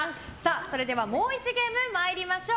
それではもう１ゲーム参りましょう。